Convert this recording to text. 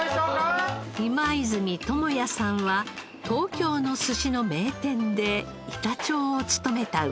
今泉知也さんは東京の寿司の名店で板長を務めた腕前。